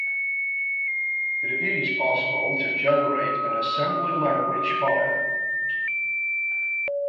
It is possible to generate an assembly language file.